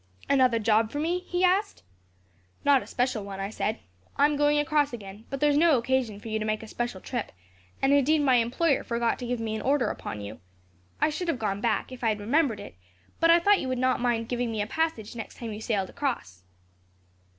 "'Another job for me?' he asked. "'Not a special one,' I said. 'I am going across again, but there is no occasion for you to make a special trip, and indeed my employer forgot to give me an order upon you. I should have gone back, if I had remembered it, but I thought you would not mind giving me a passage the next time you sailed across.'